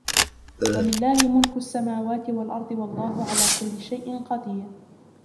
وَلِلَّهِ مُلْكُ السَّمَاوَاتِ وَالْأَرْضِ وَاللَّهُ عَلَى كُلِّ شَيْءٍ قَدِيرٌ